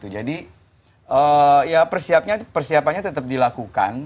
jadi persiapannya tetap dilakukan